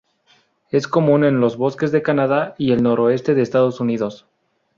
Es común en los bosques de Canadá y el noroeste de Estados Unidos.